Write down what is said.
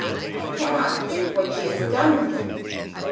I cannot think what she has done with it?